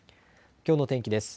きょうの天気です。